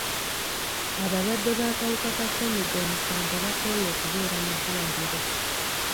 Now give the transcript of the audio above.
Abalwadde b'akawuka ka ssenyiga omukambwe bakooye okubeera mu ddwaliro.